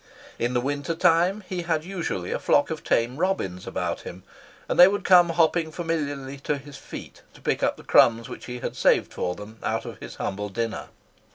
In the winter time he had usually a flock of tame robins about him; and they would come hopping familiarly to his feet to pick up the crumbs which he had saved for them out of his humble dinner.